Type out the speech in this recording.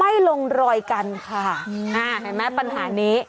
ไม่ลงรอยกันค่ะอืมอ้าเห็นมั้ยปัญหานี้